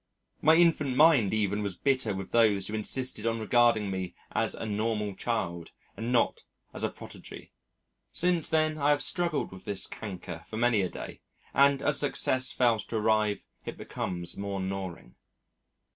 My infant mind even was bitter with those who insisted on regarding me as a normal child and not as a prodigy. Since then I have struggled with this canker for many a day, and as success fails to arrive it becomes more gnawing.